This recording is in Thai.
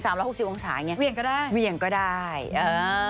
สามละหกสิบองศาอย่างเงี้ยเวี่ยงก็ได้เวียงก็ได้เออ